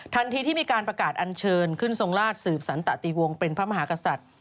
ที่มีการประกาศอัญเชิญขึ้นทรงราชสืบสันตะติวงศ์เป็นพระมหากษัตริย์